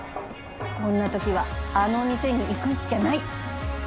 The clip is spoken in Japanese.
こんなときはあの店に行くっきゃない！